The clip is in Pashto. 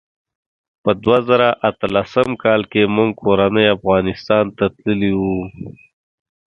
په دوه زره اتلسم کال کې موږ کورنۍ افغانستان ته تللي وو.